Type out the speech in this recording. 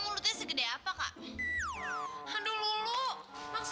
mulutnya segede apa kak hadul lu